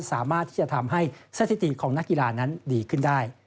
สามารถที่จะทำให้สถิติของนักกีฬานั้นดีขึ้นได้